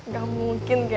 gak mungkin tuh ya